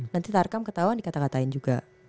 nanti tarkam ketauan dikatakatain juga